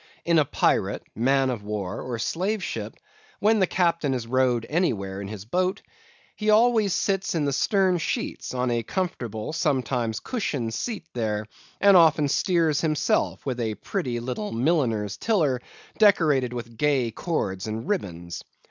In a pirate, man of war, or slave ship, when the captain is rowed anywhere in his boat, he always sits in the stern sheets on a comfortable, sometimes cushioned seat there, and often steers himself with a pretty little milliner's tiller decorated with gay cords and ribbons.